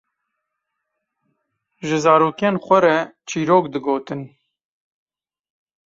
ji zarokên xwe re çîrok digotin.